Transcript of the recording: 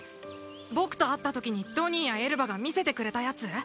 僕と会ったときにドニーやエルバが見せてくれたやつ？